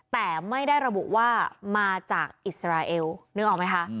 แต่ไม่ได้ระบุว่ามาจากอิสราเอลนึกออกไหมคะ